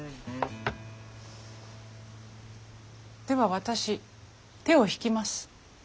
では私手を引きます。